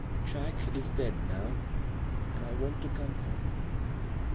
Jack is d and I want to come home.